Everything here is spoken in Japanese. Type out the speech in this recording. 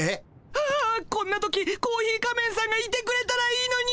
ああこんな時コーヒー仮面さんがいてくれたらいいのに。